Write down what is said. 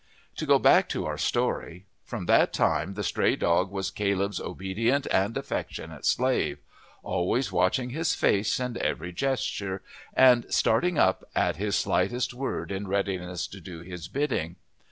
To go back to our story. From that time the stray dog was Caleb's obedient and affectionate slave, always watching his face and every gesture, and starting up at his slightest word in readiness to do his bidding.